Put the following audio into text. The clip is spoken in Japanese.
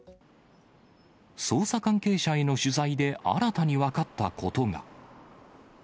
捜査関係者への取材で新たに分かったことが。